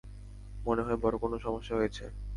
মনে হয় বড় কোনো সমস্যা হয়েছে।